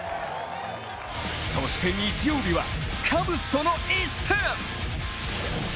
そして日曜日はカブスとの一戦。